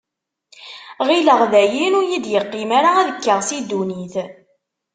Ɣilleɣ dayen ur yi-d-yeqqim ara ad kkeɣ si ddunit.